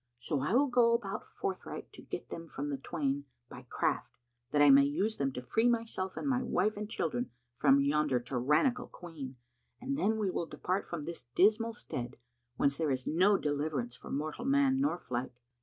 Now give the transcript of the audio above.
So I will go about forthright to get them from the twain by craft, that I may use them to free myself and my wife and children from yonder tyrannical Queen, and then we will depart from this dismal stead, whence there is no deliverance for mortal man nor flight.